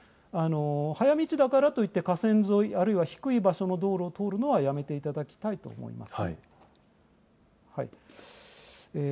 早道だからといって河川沿いあるいは低い場所の道路を通るのはやめていただきたいと思います。